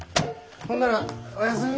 ほんならおやすみ。